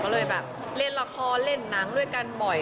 เรียนรระคอเหล่านั้งด้วยกันบ่อย